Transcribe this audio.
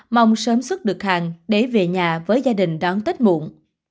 mong sớm xuất được hàng để về nhà với gia đình đón tết muộn